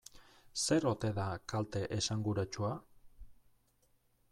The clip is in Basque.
Zer ote da kalte esanguratsua?